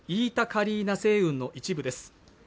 カリーナ星雲の一部です